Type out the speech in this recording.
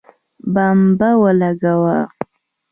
بمبه ولګوه